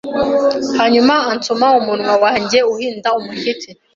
hanyuma ansoma umunwa wanjye uhinda umushyitsi